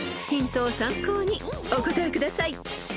［ヒントを参考にお答えください］